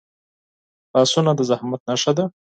لاسونه د زحمت نښه ده